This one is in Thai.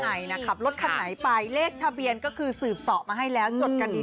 คนยากก็พังถ้ามีแต่เจ้าหรือคนมี